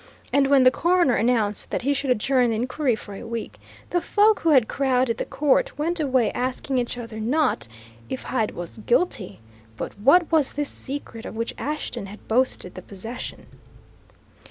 And when the coroner announced that he should adjourn the inquiry for a week, the folk who had crowded the court went away asking each other not if Hyde was guilty, but what was this secret of which Ashton had boasted the possession?